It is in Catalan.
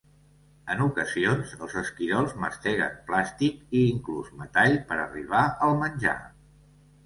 En ocasions, els esquirols masteguen plàstic i inclús metall per arribar al menjar.